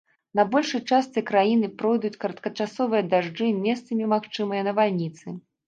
На большай частцы краіны пройдуць кароткачасовыя дажджы, месцамі магчымыя навальніцы.